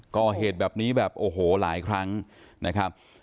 ก่อเหตุแบบนี้แบบโอ้โหหลายครั้งนะครับ